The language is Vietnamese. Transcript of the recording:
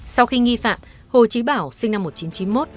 sau khi nghi phạm hồ trí bảo sinh năm một nghìn chín trăm chín mươi một